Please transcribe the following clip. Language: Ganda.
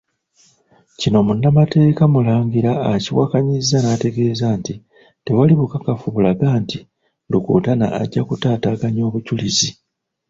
Kino Munnamateeka Mulangira akiwakanyizza n'ategeeza nti tewali bukakafu bulaga nti Rukutana ajja kutaataaganya obujjulizi.